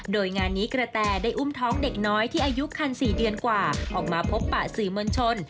โดยงานนี้กระแตได้อุ้มท้องเด็กน้อยที่อายุคัน๔เดือนกว่าออกมาพบปะสื่อมวลชน